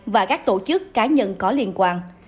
và các tổ chức cá nhân có liên quan